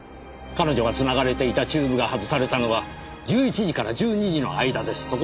彼女が繋がれていたチューブが外されたのは１１時から１２時の間です。